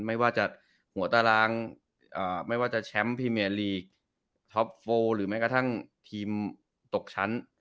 ไม่ว่าจะหัวตารางอ่าไม่ว่าจะแชมป์ท็อปโฟร์หรือไม่กระทั่งทีมตกชั้น